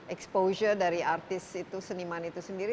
exposure dari artis itu seniman itu sendiri